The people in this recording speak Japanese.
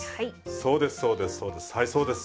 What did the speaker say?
そうですそうです。